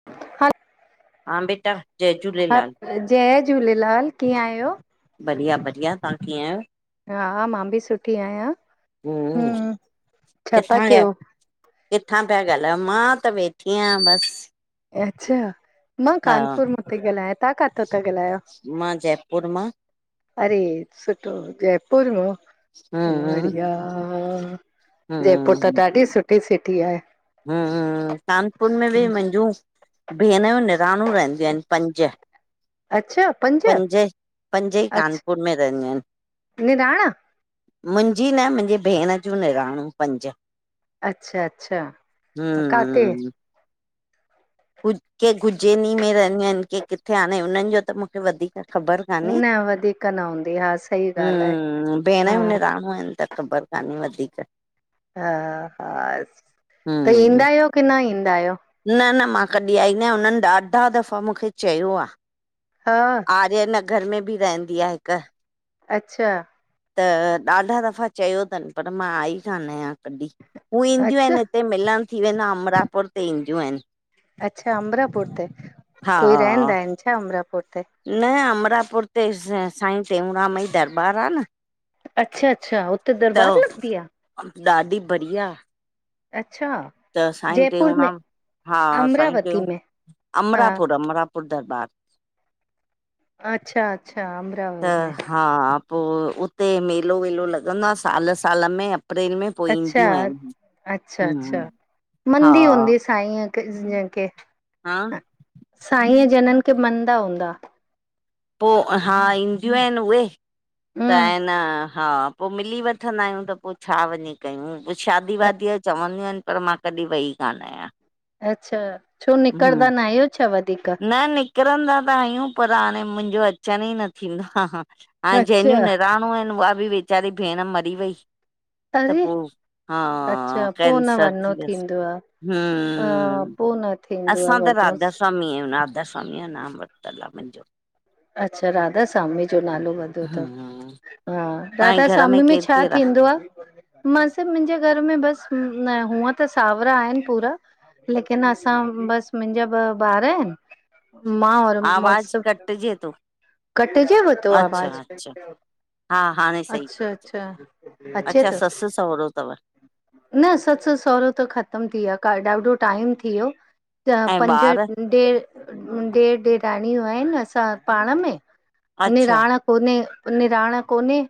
[unintelligible] हा बेटा, जय हा झूलेलाल। जय झूलेलाल, कीअं आहियो? बढ़िया बढ़िया, तहां कीअं आहियो। हा मां बि सुठी आहियां, हम्म, हम्, छा ता किथां गया क्यो? किथां पिया ॻाल्हायो? मां त वेठी आं बसि। अच्छा, मां कानपुर मां ती ॻाल्हायां, तां काथां ता ॻाल्हायो। मां, जयपुर मां। अरे, सुठो जयपुर मों, हम्म बढ़िया। जयपुर त हम्म ॾाढी सुठी सिटी आहे। हम्म, कानपुर में बी मुंहिंजूं, भेण जूं निणानूं रहंदियूं आहिनि, पंज। पंज, पंज ई अच्छा कानपुर में रहंदियूं आहिनि। निराणा मुंहिंजी न, मुंहिंजी भेण जूं निणानूं पंज। अच्छा अच्छा। हम्म काथे? हम्म। गुच्चे, गुजैनी में रहंदियूं आहिनि के किथे हाणे उननि जो त मुखे वधीक ख़बर कान्हे, न वधीक न हूंदी हा सही ॻाल्हि आहे हम्म, हा भेणयूं निराणू। हुअं इन त ख़बर कान्हे वधीक। हा हा, त हम्म ईंदा आहियो कि न ईंदा आहियो। न न, मां कॾी आई न, हुननि ॾाढा दफ़ा मुखे चयो आ। ह। आर्य नगर में बी रहंदी आ हिक। अच्छा। त ॾाढा दफ़ा चयो तनि, पर मां आई कान आहियां कॾी, हू ईंदियूं अच्छा आहिनि। हिते मिलण थी वेंदा, अमरापुर ते ईंदियूं आहिनि। अच्छा अमरापुर ते, हा कोई रहंदा इनि छा अमरापुर ते? न, अमरापुर ते स साईं टेऊंराम जी दरॿार आ न। अच्छा अच्छा, उते त दरॿार लॻदी आ। ॾाढी बढ़िया। अच्छा। त साईं जयपुर में टेऊंराम हा, साईं अमरावती टेऊं, में हा अमरापुर अमरापुर दरॿार। अच्छा अच्छा, अम् त हा पो उते मेलो वेलो लॻंदो आ साल साल में अप्रैल में पो अच्छा ईंदियूं आहिन अच्छा अच्छा हम्म हा मंदी हूंदी साई जिन खे हा साई जनन खे मनदा हूंदा पो हा ईंदियूं आहिन उहे त हम्म आए न हा पो मिली वठंदा आहियूं त पो छा वञी कयूं? पो शादी वादीअ जो चवंदियूं आहिन पर मां कॾी वई कान आयां अच्छा छो निकरंदा न आहियो छा वधीक न निकरंदा त आहियूं पर हाणे मुंहिंजो अचण ई न थींदो ऐं अच्छा जंहिंजूं निणानूं आहिन, उहा बि वेचारी भेण मरी वई त अरे पो हा अच्छा पो न कैंसर वञिणो थियस थींदो आ। ह अ पो न थींदो आ असां त राधा वञोसि स्वामी आयूं राधा स्वामीअ जो नाम वरतल आ मुंहिंजो अच्छा राधा स्वामीअ जो नालो वरतो थव हम्म हा तव्हांजे राधा घर स्वामीअ में केरु छा केरु थींदो आ? मां चयो मुंहिंजे घर में बस, हुअं त सावरा आहिन पूरा लेकिन असां बस मुंहिंजा ॿ ॿार आहिन मां वट आवाज कटजे थो कटजेव थो अच्छा आवाज़ अच्छा हा हाणे सही अच्छा पियो अचे। अच्छा अचे अच्छा थो ससु सहुरो तव न ससु सहुरो त ख़तमु थी विया क ॾाडो टाइम थी वियो त ऐं पंज ॾेर ॿार? ॾेर ॾेराणियूं आहिन असां पाण में अच्छा निणान कोने निणान कोने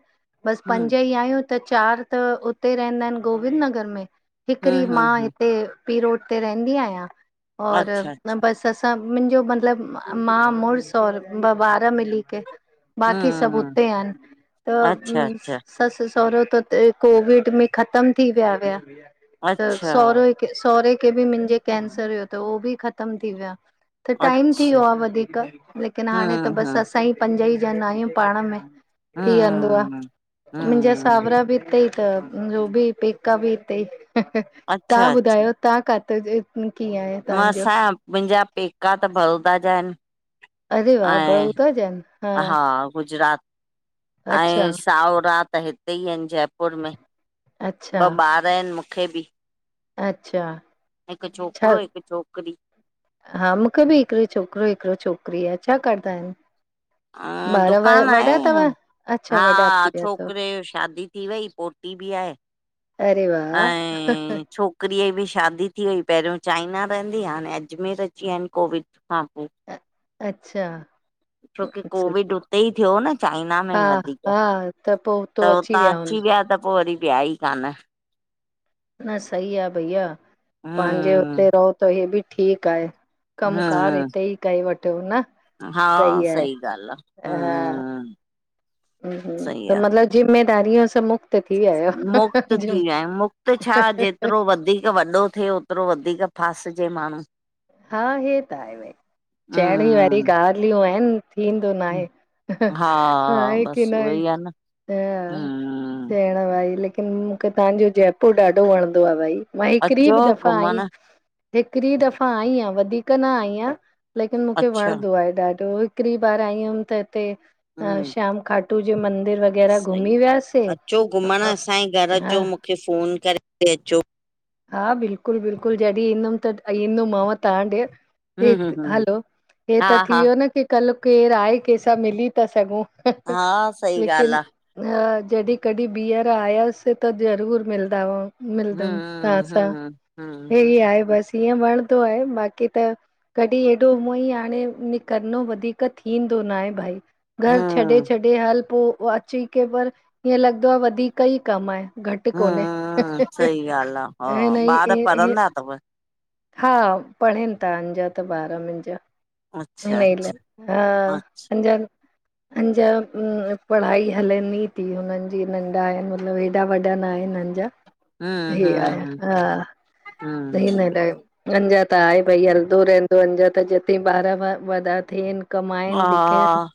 बस हम्म पंज ई आहियूं त चार त उते ई रहंदा आहिन गोविंद नगर में, हिकड़ी हम्म हम्म मां हम्म हिते प रोड ते रहंदी आयां और अच्छा अच्छा बस त सब मुंहिंजो मतलब मां मुड़ुसु और ॿ ॿार मिली करेे बाक़ी सभ हम्म हुते आहिन अच्छा अच्छा ससु सहुरो त कोविड में ख़तम थी विया हुया त अच्छा सहुरे सहुरे खे बि मुंहिंजे कैंसर हुयो त उहो बि ख़तम थी विया त टाइम थी अच्छा वियो आ वधीक लेकिन हाणे त हम्म बस हम्म असां ई पंज ई ॼणा आहियूं पाण में थी वेंदो आ हम्म मुंहिंजा हम्म सावरा बि हितेई त उ बि पेका बि हितेई तां अच्छा ॿुधायो तां काथे जा कीअं आहे तव्हांजो? मसां मुंहिंजा पेका त बड़ौदा जा आहिन अरे वाह बड़ौदा जा आहिन हा गुजरात अच्छा ऐं साहुरा त हिते ई आहिन जयपुर में ॿ अच्छा ॿार ॿ आहिन मूंखे भी। अच्छा हिक छा छोकरो हिक छोकरी हा मुंखे भी हिक छोकरो हिक छोकरी आ। छा कंदा आहिन ॿार दुकानु वॾा तव आहे अच्छा हा वॾा थी विया तव छोकरे जी शादी थी वई पो [unintelligible] भी आहे अरे वाह ऐं छोक छोकरीअ जी बि शादी थी वई। पहरियों चाइना रहंदी हुई हाणे अजमेर अची विया आहिन कोविड खां पोए। अ अच्छा। छोकी एक्सेल। कोविड उते ई थियो न चाइना में ई हा वधीक हा पो हुतो त हुतां अची हूंदा विया त पोइ वरी व्या ई कान। न सही आ भैया पंहिंजे हम्म हुते रहो त हे बि ठीकु आहे। कम कार हम्म हिते ई कई वठो न। हा। सही ॻाल् आ हम् हम। हम। त मतिलब जिम्मेदारियो सां मुक्त। थी विया आहियो मुक्त थी जिम विया आहियूं। मुक्ति छा जेतिरो वधीक वॾो थिए। ओतिरो वधीक फासजे माण्हू। हा। हे, त आहे भई चइण ई वरी हम्म ॻाल्हियूं आहिनि थींदो ना आहे। हा आहे की बस न। उहोई आ न ह, हम्म च। हा भाई लेकिन मूंखे तव्हांजो जयपुर ॾाढो वणंदो आ भाई। मांह हिकरी अचो बि दफ़ा आई। घुमण हिकरी दफ़ा आईं आहियां वधीक न आईयां। लेकिन मूंखे अच्छा वणंदो आहे ॾाढो। हिकड़री बार आई हुअमि त हिते अ हम्म श्याम खाटू जे मंदिर वग़ैह। सही। अचो घुमण असांजे घर हा अचो मूंखे फ़ोन करे अचो। हा। बिल्कुल बिलकुल जॾहिं ईंदुमि त ईंदुमि मांव तव्हां ॾे। हे। हम्म हम्म हम्म हलो हे हा त थी हा वियो न की। कल्ह केरु आहे कंहिंसां मिली था सघूं। हा सही लेकिन। ॻाल्हि आ अ जॾहिं कॾहिं बीहर आयास त ज़रूर मिलंद वआ मिलदमि। हम। हम बसि ईअं वणंदो आहे बाक़ी त। कॾहिं एॾो हूअं ई हाणे निकिरनो वधीक थींदो न आहे भाई। घर छॾे, हम्म छॾे हल पोइ अची के पर हीअं लॻंदो आ वधीक ई कमु आहे। घटि कोन्हे हं हं सीॻालहि आहे। [unintelligible] हिन हई, हा पढ़नि था आॼा त ॿार मुंहिंजा। अच्छा अच्छा अॼा अच्छा [unintelligible] अॼा पढ़ाई हलनि ई थी हुननि जी नंढा आहिनि मतलबु हेॾ। ऐॾा वॾा न आहिन हिन नि जा। हम, हम। हा। [unintelligible] अंजा त आहे भई हलंदो रहंदो अंजा त जिते ॿार व वॾा थियन। कमाइनि लिकिन। हा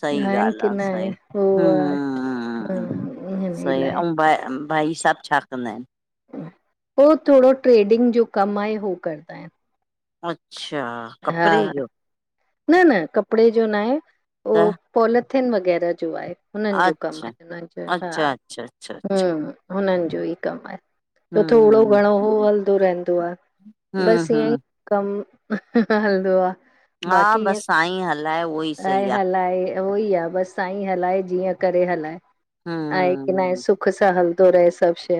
सही आहिनि ॻाल्हि की आ न आहे सही। उ आहे हम्म हम इअ [unintelligible] न सही इल। ऐं भ भाई सभु छा कंदा आहिनि? पोइ थोरो ट्रेडिंग जो कम आहे हू करंदा आहिन। अच्छा कपिड़े जो? न न कपिड़े जो न आहे उह त पॉलिथिन वग़ैरह जो आहे। हुननि जो कमु अच्छा आहे हुन जो हा अच्छा अच्छा अच्छा अच्छा। हम। हुननि जो ई कमु आहे त हम्म थोरो घणो ओ हलंदो रहंदो आ। हम्म बसि ईअं ई हम्म कम हलंदो आ। हा बसि साईं हलाये। ऐं हलाए उहो ई आहे बसि साईं हलाए जीअं करे हलाए। हा। आहे की न आहे सुख सां हलदो रहे सभु शइ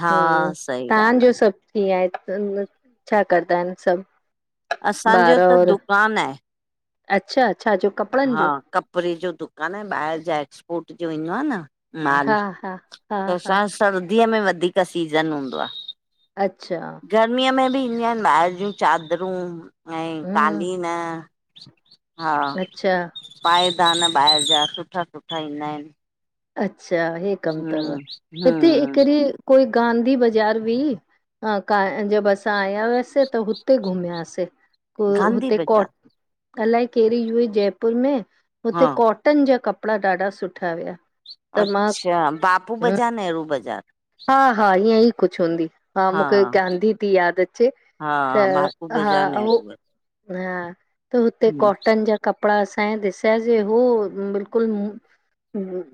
हा सही ॻाल्हि तव्हांजो सभु कीअं आहे, छा कंदा आहिनि सभु? असांजो ॿार त और दुकानु आहे। अच्छा, छा जो क हा कपिड़े जो दुकानु आ ॿाहिरि जा एक्सपोर्ट जो ईंदो आ न। माल हा हा, हा त हा असांयो सर्दीअ में वधीक सीज़न हूंदो आ। अचछा। गर्मीअ में बि ईंदियूं आहिनि ॿाहिर जूं चादरूं ऐं हम्म कालीन हा अच्छा पाइदान ॿाहिरि जा सुठा सुठा ईंदा आहिन। अचछा हे कमु तव हिते हम्म हिकड़ी कोई गांधी बाज़ार हुई, अ काएं जब असां आया हुयासे त हुते घुमयासे को गांधी हुते बाज़ार कोट अलाए कहिड़ी हुई जयपुर में हुते हा कॉटन जा कपिड़ा ॾाढा सुठा हुया। त मां अच्छा बापू बाज़ार, नेहरू बाज़ार। हा हा ईअं ई कुझु हूंदी। हा मूंखे गांधी थी यादि अचे हा त बापू हा बाज़ार हो नेहरू बाज़ार हा, त हुते हम्म कॉटन जा कपिड़ा असांजे ॾिसया जे हू बिल्कुलु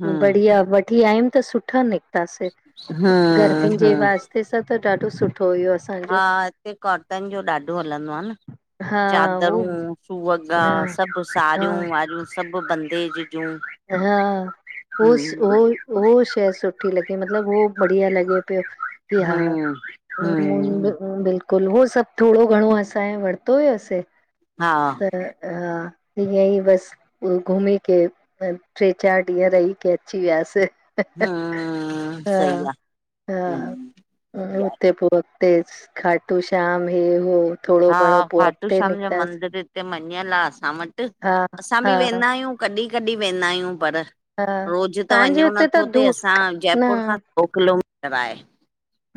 हम्म बढ़िया वठी आयमि त सुठा निकतासे। हम्म गर्मियुनि जे हम्म वास्ते सां त ॾाढो सुठो हुयो। हा असांजो हिते कॉटन जो ॾाढो हलंदो आ न। हा हो चादरूं सुअॻा हा सभ हा सड़ियूं वारियूं। सभ बंदे जी जूं हा हूस हम्म हो उओ शइ सुठी लॻी मतिलब हो बढ़िया लॻे पियो। या हम्म मुंदि हम्म मुंदि कुल हो सभु थोरो घणो असांजे वरितो हुयोसे हा त अ ईअं ई बस घुमी के ट्रे चारि ॾींहं रही के अची वियासे। हम्म हा सही आ हा हम्म बढ़िया आहे हुते पो हुते खाटू श्याम हे हो थोरो घणो पो अॻिते निकितासीं। हुते मञियल आ असां वटि हा असां बि हा वेंदा आयूं कॾहिं कॾहिं वेंदा आयूं पर हा रोज़ त तव्हांजे वञनो हुते त नथो थे दूर असां न जयपुर खां सौ किलोमीटर आहे।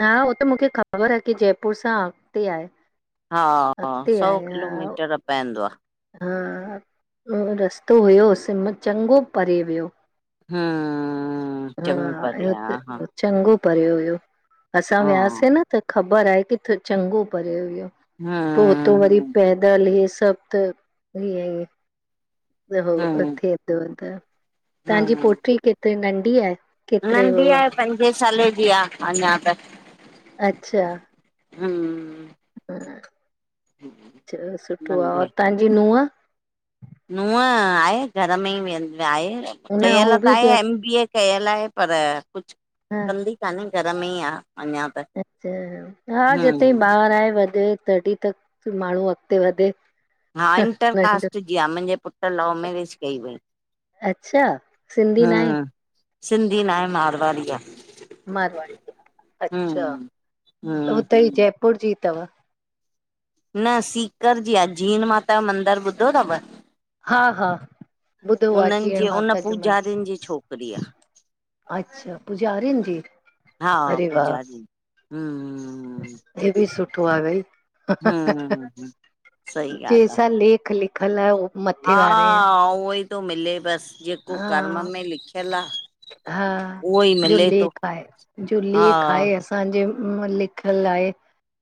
हा हो त मूंखे ख़बर आहे की जयपुर सां अॻिते आहे। हा हा, अॻिते सौ आया किलोमीटर पएंदो आ। हा उ रस्तो हुयो सिम चङो परे वियो। हा, चङो परे हा, आ इते चङो परिये हुयो असां हा वियासे न त ख़बर आहे की त चङो परिये हुयो। हा, पो हुतो वरी पैदल हे सभु त ईअ हम्म तव्हांजी हम्म पोटी केतरी नंढी आहे? केतिरे नंढी उहो आहे, पंजे साले जी आ अञा त। आहे हूं, हूं अच्छा सुठो आ। और तहांजी नूंह? नूंहं आहे घर में ई वेह आहे न कयल हो त बि आहे जय एम बी ए कयल आहे पर कुझु हा कंदी कान्हे घर में ई आहे अञा। त अच्छा हा जिताई हम्म ॿारि आहे वधे तॾहिं त माण्हू अॻिते वधे। हा नंढो इंटरकास्ट जी आहे मुंहिंजे पुट लव मैरेज कई वई अच्छा सिंधी न आहे? हम्म सिंधी न आहे मार मारवाड़ी अच्छा हम्म हम्म हुते ई हम्म जयपुर जी अथव? न सीकर जी आहे जीन माता जो मंदर ॿुधो अथव? हा हा ॿुधो आहे उन्हनि जीअण जे उन माता जो मंदरु पूजारनि जी छोकिरी आ। अच्छा पुजारी न जी। हा अरे वाह पुजारीन जी। हूं हूं। हे बि सुठो आ हेई। हम्म सही ॻाल्हि आहे जैसा लेख लिखल आहे। उवो हा उहो ई थो मिले बस जेको हा कर्म में लिखियल आ। हा उहो ई जो मिले थो लेक आहे जो हा लेक आहे असां असांजे में लिखल आहे।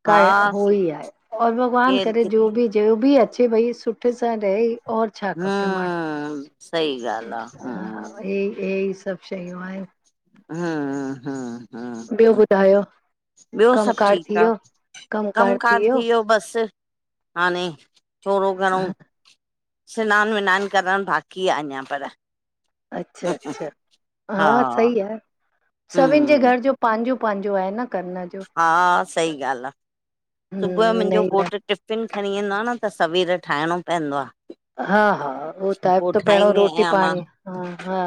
कर हा उो ई आहे और भॻवान केरु करे कि जो बि जो बि अचे भई सुठे सां रहे और छा खपे माणू। हम्म सही ॻाल्हि आ हम्म हा हे हे ई सभु शयूं आहिन। हा-हा ॿियो ॿुधायो? ॿियो सभु कमकार थी ठीकु आ वियो कम कार थी वियो बस। हाणे छोॾो घणो स्नानु वनान करणु बाक़ी आ अञा पर। अच्छा- अच्छा हा सही आ सभिनि जे हम्म घर जो पंहिंजो पंहिंजो आहे न। करण जो हा सही ॻाल्हि आहे सुबुह जो हम्म इन मुंहिंजो ई घोट टिफिन फिन खणी वेंदो आहे न त सवेर ठाहिणो पवंदो आ। हा- हा उहो टाइ पो त पहिरणं ठाहींदी रोटी पाणी ह हा।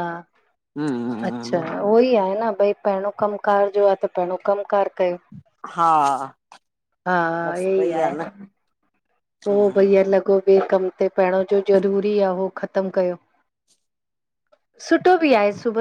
हा अच्छा उहो ई आहे न भई पहिरियों कम कार जो आहे त पहिरियों कम कार। हा हा बसि हे ई उहोई आहे। न पोइ हम्म भैया लॻो ॿिए कम ते पहिरियों जो ज़रूरी आहे उहो ख़तमु कयो। सुठो बि आहे सुबुह